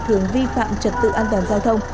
thường vi phạm trật tự an toàn giao thông